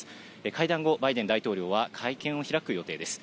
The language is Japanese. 会談後、バイデン大統領は会見を開く予定です。